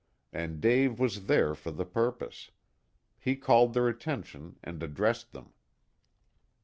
And Dave was there for the purpose. He called their attention and addressed them.